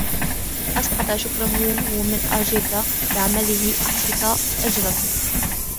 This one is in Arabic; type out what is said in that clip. أَسْقَطَ شُكْرِهِ ، وَمَنْ أُعْجِبَ بِعَمَلِهِ أُحْبِطَ أَجْرُهُ